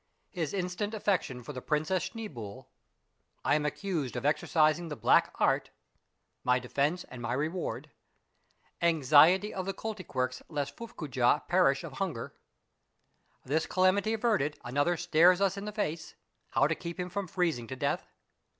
— HIS INSTANT AFFECTION FOR PRINCESS SCHNEEBOULE. — I AM ACCUSED OF EXERCISING THE BLACK ART. — MY DEFENCE AND MY REWARD. — ANXIETY OF THE KOLTYKWERPS LEST FUFFCOOJAH PERISH OF HUNGER. — THIS CALAMITY AVERTED, ANOTHER STARES US IN THE FACE : HOW TO KEEP HIM FROM FREEZING TO DEATH.